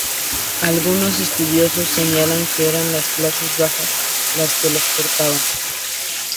Algunos estudiosos señalan que eran las clases bajas las que los portaban.